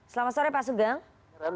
selamat sore pak sugeng